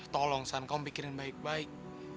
tolong san kamu pikirin baik baik